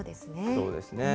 そうですね。